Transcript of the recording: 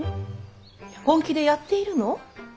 本気でやっているの？